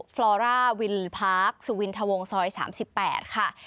ฟลอร่าวินพาร์คสุวินทวงซอย๓๘ค่ะ